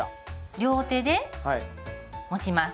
両手で持ちます。